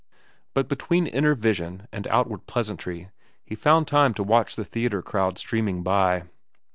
But between inner vision and outward pleasantry he found time to watch the theatre crowd streaming by.